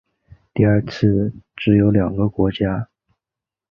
第二次只有两个国家。